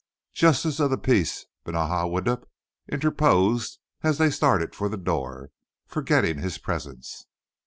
Justice of the peace Benaja Widdup interposed as they started for the door, forgetting his presence.